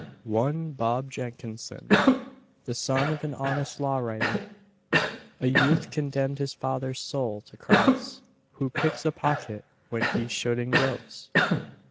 One Bob Jenkinson, the son of an honest law writer "A youth condemn'd his father's soul to cross, Who picks a pocket when he should engross!"